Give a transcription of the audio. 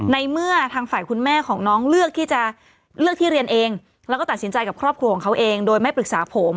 ในเมื่อทางฝ่ายคุณแม่ของน้องเลือกที่จะเลือกที่เรียนเองแล้วก็ตัดสินใจกับครอบครัวของเขาเองโดยไม่ปรึกษาผม